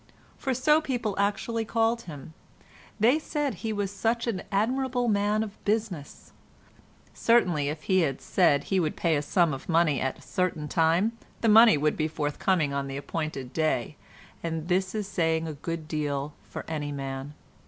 For so people actually called him. They said he was such an admirable man of business. Certainly if he had said he would pay a sum of money at a certain time, the money would be forthcoming on the appointed day, and this is saying a good deal for any man.